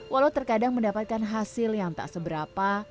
walau terkadang mendapatkan hasil yang tak seberapa